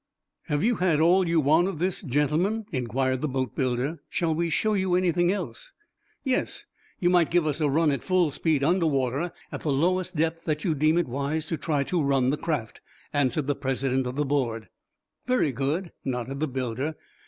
"Have you had all you want of this, gentlemen?" inquired the boatbuilder. "Shall we show you anything else?" "Yes; you might give us a run at full speed under water, at the lowest depth that you deem it wise to try to run the craft," answered the president of the board. "Very good," nodded the builder.